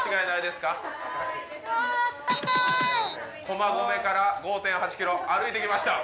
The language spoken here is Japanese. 駒込から５．８ｋｍ歩いてきました